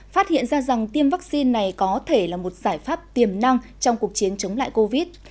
phát hiện ra rằng tiêm vaccine này có thể là một giải pháp tiềm năng trong cuộc chiến chống lại covid